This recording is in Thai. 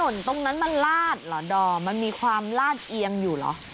ส่วนตรงนั้นมันลาดเหรอดอมมันมีความลาดเอียงอยู่เหรอ